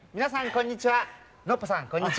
こんにちは。